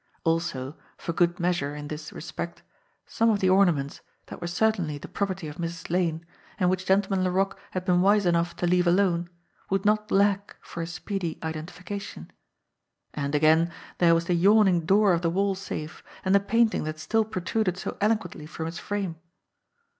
Also, for good measure in this respect, some of the ornaments, that were certainly the property of Mrs. Lane, and which Gentleman Laroque had been wise enough to leave alone, would not lack for a speedy identification! And, again, there was the yawning door of the wall safe, and the painting that still protruded so elo quently from its frame